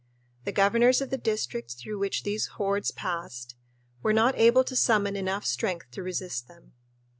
The governors of the districts through which these hordes passed were not able to summon enough strength to resist them.